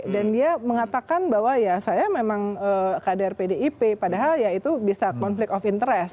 dan dia mengatakan bahwa ya saya memang kader pdip padahal ya itu bisa konflik of interest